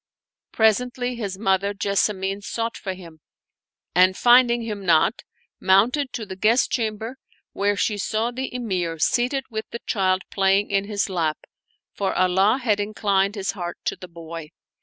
Presently his mother Jessamine sought for him and finding him not, mounted to the guest chamber, where she saw the Emir seated with the child playing in his lap, for Allah had in clined his heart to the boy.